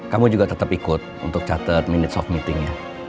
kamu juga tetap ikut untuk catat minutes of meeting nya